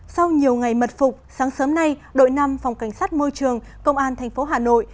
sau nhiều ngày mật phục sáng sớm nay đội năm phòng cảnh sát môi trường công an thành phố hà nội